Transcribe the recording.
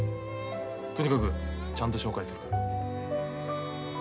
とにかくちゃんと紹介するから。